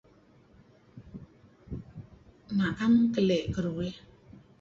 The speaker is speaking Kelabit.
Naem keli' keduih.